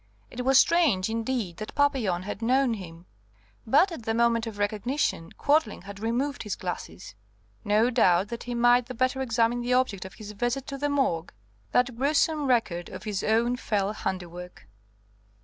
It was strange indeed that Papillon had known him; but at the moment of recognition Quadling had removed his glasses, no doubt that he might the better examine the object of his visit to the Morgue, that gruesome record of his own fell handiwork.